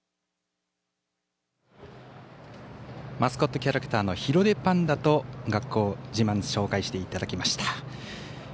マスコットキャラクターの広デパンダと学校自慢紹介していただきました。